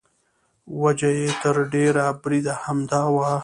وجه یې تر ډېره بریده همدا وه.